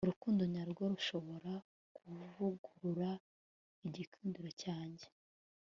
urukundo nyarwo rushobora kuvugurura igikundiro cyanjye